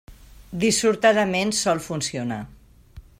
Dissortadament sol funcionar.